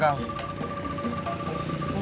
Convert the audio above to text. terus lo nyari dimana kang